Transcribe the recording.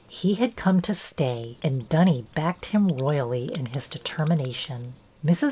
He had come to stay, and Dunny backed him royally in his determination. Mrs.